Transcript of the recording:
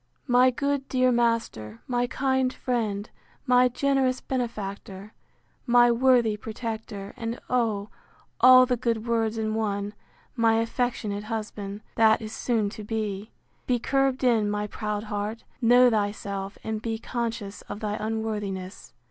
My good dear master, my kind friend, my generous benefactor, my worthy protector, and, oh! all the good words in one, my affectionate husband, that is soon to be—(be curbed in, my proud heart, know thy self, and be conscious of thy unworthiness!)